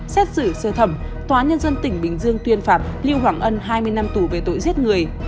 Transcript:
xét xử sơ thẩm tòa nhân dân tỉnh bình dương tuyên phạt lưu hoàng ân hai mươi năm tù về tội giết người